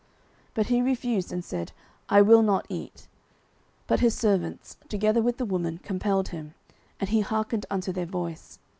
09:028:023 But he refused, and said, I will not eat. But his servants, together with the woman, compelled him; and he hearkened unto their voice.